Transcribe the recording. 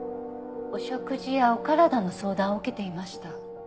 お食事やお体の相談を受けていました。